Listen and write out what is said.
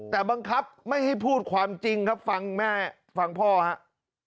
แต่บังคับไม่ให้พูดความจริงครับฟังแม่ฟังพ่อครับ